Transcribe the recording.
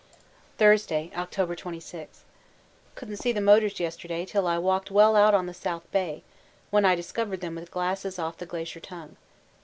Thursday, October 26. Couldn't see the motors yesterday till I walked well out on the South Bay, when I discovered them with glasses off the Glacier Tongue.